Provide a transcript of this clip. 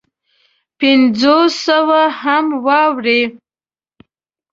پنځو سوو هم واوړي.